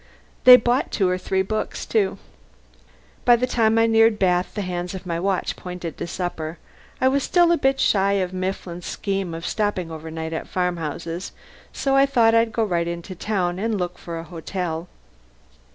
They bought two or three books, too. By the time I neared Bath the hands of my watch pointed to supper. I was still a bit shy of Mifflin's scheme of stopping overnight at farmhouses, so I thought I'd go right into the town and look for a hotel.